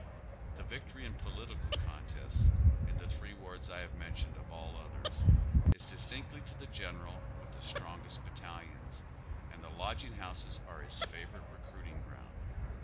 The vic tory in political contests, in the three wards I have men tioned of all others, is distinctly to the general with the strongest battalions, and the lodging houses are his favor ite reci'uiting ground.